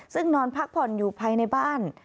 ซึ่งนอนพักผ่อนอยู่ภายในบ้าน